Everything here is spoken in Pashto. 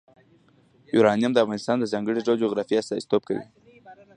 یورانیم د افغانستان د ځانګړي ډول جغرافیه استازیتوب کوي.